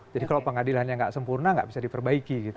jadi kalau pengadilannya nggak sempurna nggak bisa diperbaiki gitu